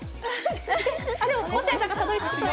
でも星合さんがたどり着きそう。